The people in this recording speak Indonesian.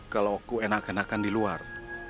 kalau aku enak enakan di luar